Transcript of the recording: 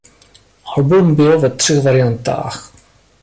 Album bylo ve třech variantách.